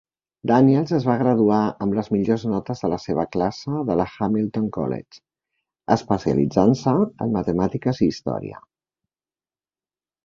Daniels es va graduar amb les millors notes de la seva classe de la Hamilton College, especialitzant-se en matemàtiques i història.